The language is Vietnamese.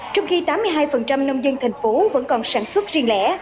trong khi tám mươi hai nông dân thành phố vẫn còn sản xuất riêng lẻ